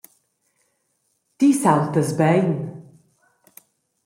Ti saultas bein.